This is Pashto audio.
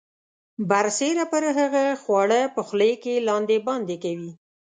برسیره پر هغه خواړه په خولې کې لاندې باندې کوي.